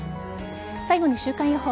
最後に週間予報。